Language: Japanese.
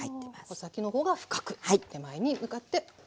穂先のほうが深く手前に向かって浅く。